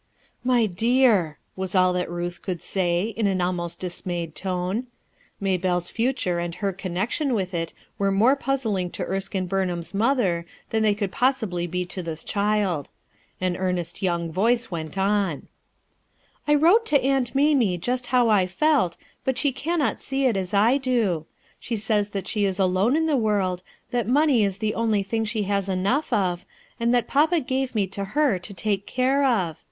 "My dear I " was all that Ruth could say, in an almost dismayed tone. Maybelle's future and her connection with it were more puzzling to Erskine Burnham's mother than they could possibly be to this child. The earnest young voice went on :— "I wrote to Aunt Mamie just how I felt, but she cannot see it as I do. She says that she is alone in the world, that money is the only thing she has enough of, and that papa gave me to her to take care of.